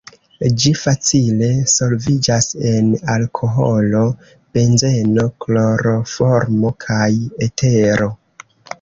Ĝi facile solviĝas en alkoholo, benzeno, kloroformo kaj etero.